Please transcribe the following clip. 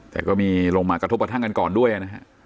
แต่ก็มีลงมากระทบกระทั่งกันก่อนด้วยนะฮะ